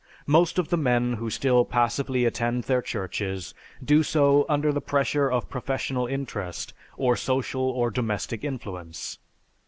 Most of the men who still passively attend their churches do so under the pressure of professional interest or social or domestic influence.